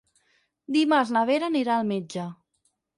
Dimarts na Vera anirà al metge.